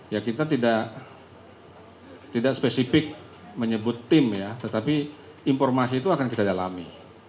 ya kita tidak spesifik menyebut tim ya tetapi informasi itu akan kita dalami